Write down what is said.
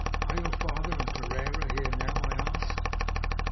"Are your father and Pereira here now?" I asked.